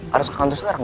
harus ke kantor sekarang